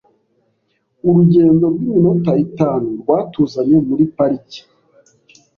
Urugendo rw'iminota itanu rwatuzanye muri parike .